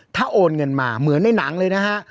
ถ้าโอนเงินมาเหมือนในหนังเลยนะฮะ